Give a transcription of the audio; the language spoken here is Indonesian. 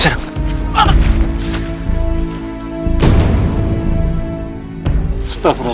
siapa yang melakukan perbuatan sekej african